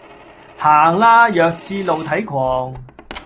行啦，弱智露體狂